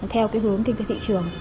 theo hướng kinh tế thị trường